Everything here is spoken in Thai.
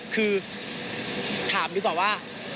คือถามดีกว่าว่า